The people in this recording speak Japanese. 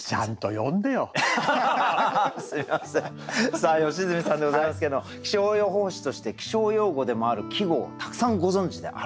さあ良純さんでございますけれども気象予報士として気象用語でもある季語をたくさんご存じであるというね。